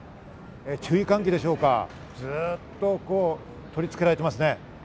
注意喚起でしょうか、ずっと取り付けられていますね。